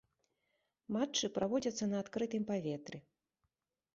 Матчы праводзяцца на адкрытым паветры.